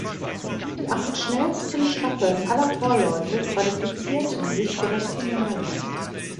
Die acht schnellsten Staffeln aller Vorläufe qualifizierten sich für das Finale.